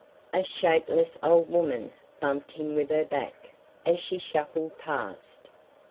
A shapeless old woman bumped him with her back as she shuffled past.